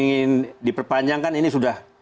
ingin diperpanjangkan ini sudah